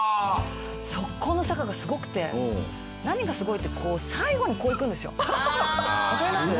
そこの坂がすごくて何がすごいって最後にこう行くんですよ。わかります？